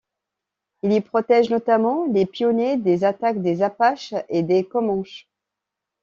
Il y protège notamment les pionniers des attaques des Apaches et des Comanches.